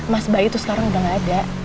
mas bayu tuh sekarang udah gak ada